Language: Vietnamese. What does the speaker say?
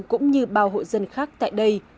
cũng như bao hộ dân khác tại đây